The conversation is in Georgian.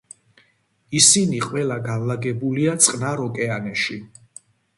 ისინი ყველა განლაგებულია წყნარ ოკეანეში.